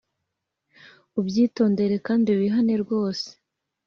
ubyitondere kandi wihane rwose